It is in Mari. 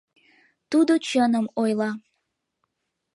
«Тудо чыным ойла!